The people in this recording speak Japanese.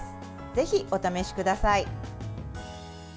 ぜひ、お試しください。